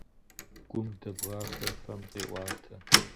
Гум дэбгъахуэр фэм къеӀуатэ.